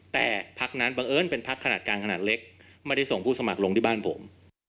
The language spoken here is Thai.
แต่พักนั้นบังเอิญเป็นพักขนาดกลางขนาดเล็กไม่ได้ส่งผู้สมัครลงที่บ้านผม